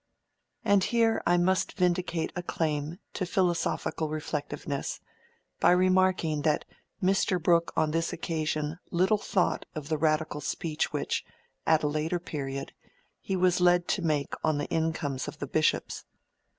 And here I must vindicate a claim to philosophical reflectiveness, by remarking that Mr. Brooke on this occasion little thought of the Radical speech which, at a later period, he was led to make on the incomes of the bishops.